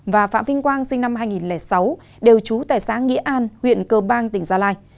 và phạm vinh quang sinh năm hai nghìn sáu đều trú tại xã nghĩa an huyện cơ bang tỉnh gia lai